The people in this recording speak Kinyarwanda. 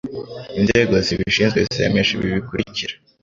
inzego zibishinzwe zemeje ibi bikurikira